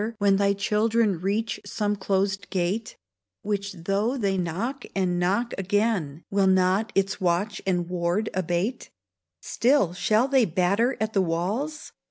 when Thy children reach some closed gate, Which, though they knock and knock again, Will not its watch and ward abate ? 170 THE CLOSED GATE Still shall they batter at the walls